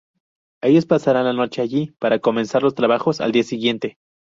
Ellos pasarán la noche allí, para comenzar los trabajos al día siguiente.